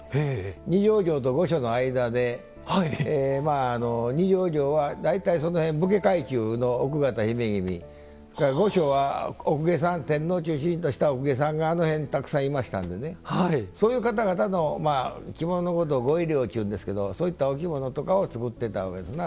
二条城と御所の間で二条城は大体その辺武家階級の奥方、姫君御所はお公家さんお公家さんがあの辺にたくさんいましたのでそういう方々の着物のことを御衣料というんですけどそういったお着物とかを作ってたわけですな。